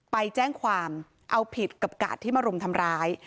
ไปแจ้งความเอาผิดกับกาดที่มารุมทำร้าย